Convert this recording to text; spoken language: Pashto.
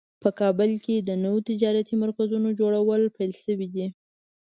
په کابل کې د نوو تجارتي مرکزونو جوړول پیل شوی ده